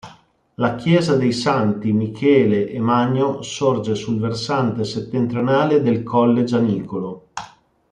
La chiesa dei Santi Michele e Magno sorge sul versante settentrionale del colle Gianicolo.